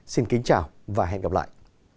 xin kính chào và hẹn gặp lại